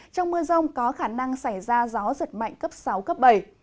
trong mưa rông có khả năng xảy ra gió giật mạnh cấp sáu cấp bảy